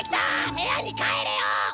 部屋に帰れよ！